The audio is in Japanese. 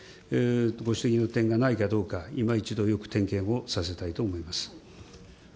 ご指摘の点がないかどうか、いま一度よく点検をさせたいと思います。